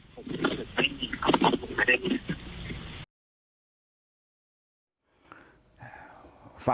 ใช่ครับ